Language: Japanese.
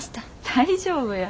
大丈夫や。